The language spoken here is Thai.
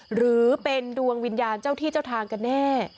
หรือเป็นดวงวิญญาณเจ้าที่เจ้าทางกันแน่